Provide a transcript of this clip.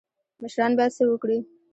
مشران باید څه وکړي؟